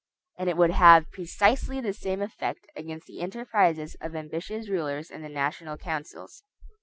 And it would have precisely the same effect against the enterprises of ambitious rulers in the national councils.